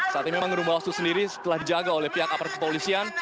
saat ini memang gedung bawaslu sendiri telah dijaga oleh pihak aparat kepolisian